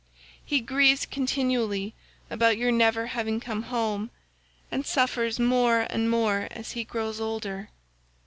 He grieves continually about your never having come home, and suffers more and more as he grows older.